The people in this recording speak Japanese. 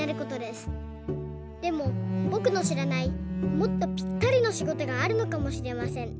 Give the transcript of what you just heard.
でもぼくのしらないもっとぴったりのしごとがあるのかもしれません。